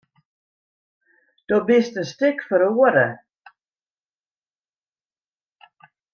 Do bist in stik feroare.